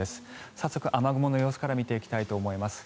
早速、雨雲の様子から見ていきたいと思います。